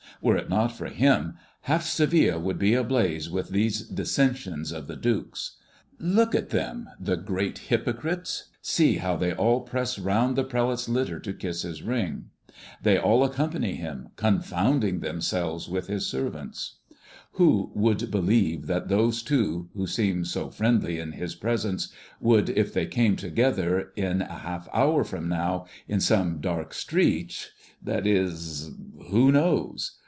Were it not for him, half Seville would be ablaze with these dissensions of the dukes. Look at them, the great hypocrites; see how they all press around the prelate's litter to kiss his ring. They all accompany him, confounding themselves with his servants. Who would believe that those two, who seem so friendly in his presence, would if they came together in a half hour from now in some dark street, that is who knows?